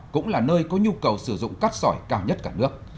cũng là nơi có nhu cầu sử dụng cát sỏi cao nhất cả nước